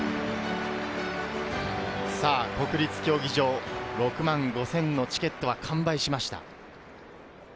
国立競技場、６万５０００のチケットは完売しました。